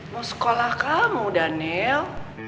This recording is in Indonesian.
mau sekolah kamu daniel